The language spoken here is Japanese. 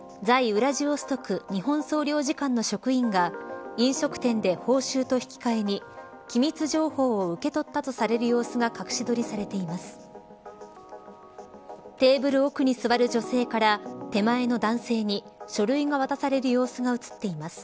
ウラジオストク日本総領事館の職員が飲食店で、報酬と引き換えに機密情報を受け取ったとされる様子が隠し撮りされています。